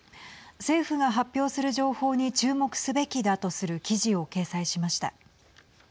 政府が発表する情報に注目すべきだとする記事を掲載しました。